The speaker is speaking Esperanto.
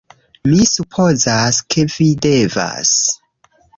Mi supozas, ke vi devas...